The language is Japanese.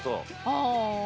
ああ。